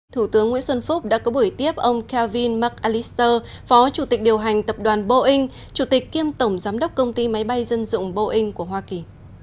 thủ tướng nguyễn xuân phúc đã có buổi tiếp ông kavin mark alister phó chủ tịch điều hành tập đoàn boeing chủ tịch kiêm tổng giám đốc công ty máy bay dân dụng boeing của hoa kỳ